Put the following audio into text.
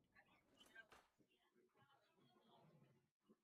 Kwa hivyo huitwa kasuku-mapenzi pia.